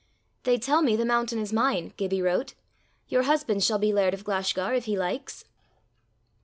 "They tell me the mountain is mine," Gibbie wrote: "your husband shall be laird of Glashgar if he likes."